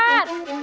saya mau berangkat